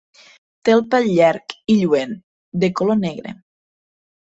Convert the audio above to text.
Té el pèl llarg i lluent, de color negre.